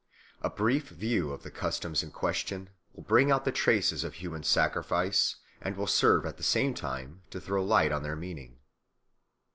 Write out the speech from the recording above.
A brief view of the customs in question will bring out the traces of human sacrifice, and will serve at the same time to throw light on their meaning.